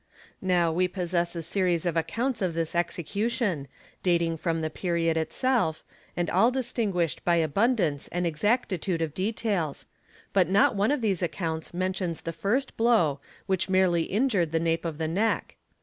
Now we possess a series of accounts of this execution, dating from the period itself, and all distinguished by" abundance and exactitude of details, but not one of these accounts mentions the first blow which merely injured the nape of the neck.